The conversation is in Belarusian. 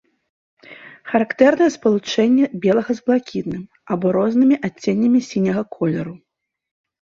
Характэрныя спалучэнні белага з блакітным або рознымі адценнямі сіняга колеру.